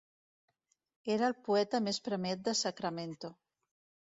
Era el poeta més premiat de Sacramento.